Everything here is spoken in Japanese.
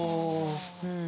うん。